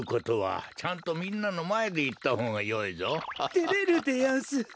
てれるでやんす。